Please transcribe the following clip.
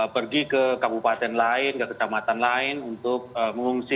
pergi ke kabupaten lain ke kecamatan lain untuk mengungsi